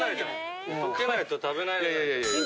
溶けないと食べられない。